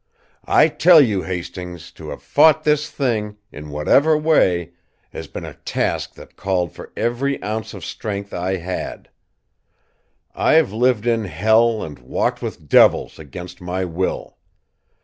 "I tell you, Hastings, to have fought this thing, in whatever way, has been a task that called for every ounce of strength I had. I've lived in hell and walked with devils, against my will.